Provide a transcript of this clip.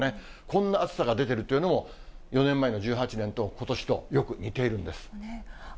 こんな暑さが出てるというのも、４年前の１８年とことしとよく似ているんです。